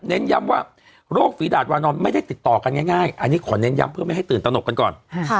ย้ำว่าโรคฝีดาดวานอนไม่ได้ติดต่อกันง่ายอันนี้ขอเน้นย้ำเพื่อไม่ให้ตื่นตนกกันก่อน